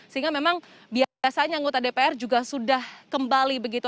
sehingga memang biasanya anggota dpr juga sudah kembali begitu